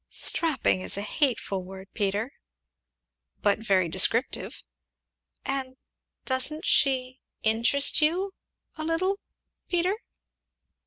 "'Strapping' is a hateful word, Peter!" "But very descriptive." "And doesn't she interest you a little, Peter?".